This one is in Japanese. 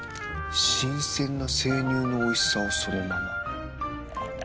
新鮮な生乳のおいしさをそのまま。